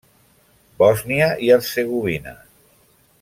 Bòsnia i Hercegovina.